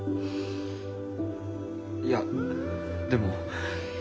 いやでも。